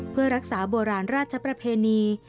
เพื่อรักษาโบราณราชประเพณี